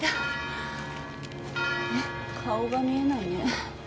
あれ顔が見えないね。